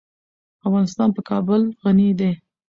افغانستان په کابل غني دی.